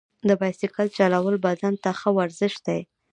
بایسکل چلول بدن ته ښه ورزش دی.